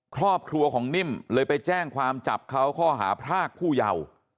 ครอบครัวของนิ่มเลยไปแจ้งความจับเขาข้อหาพรากผู้เยาว์